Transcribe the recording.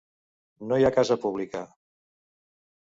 No hi ha casa pública.